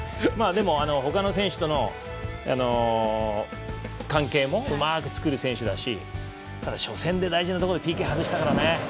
でも、ほかの選手との関係もうまく作る選手だしただ、初戦で大事なところでＰＫ外したからね。